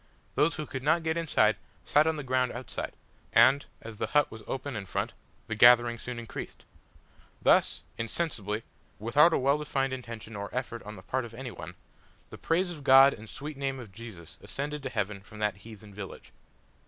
Those who could not get inside sat on the ground outside, and, as the hut was open in front, the gathering soon increased. Thus, insensibly, without a well defined intention or effort on the part of any one, the praise of God and the sweet name of Jesus ascended to heaven from that heathen village.